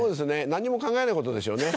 何にも考えないことでしょうね。